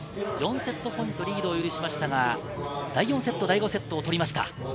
セットポイントリードを許しましたが第４セット、第５セットを取りました。